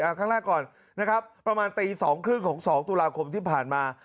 เอาครั้งแรกก่อนนะครับประมาณตีสองครึ่งของ๒ตุลาคมที่ผ่านมา